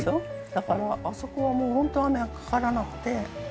だからあそこはもうホント雨がかからなくて。